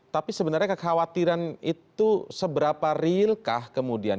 tapi sebenarnya kekhawatiran itu seberapa real kah kemudian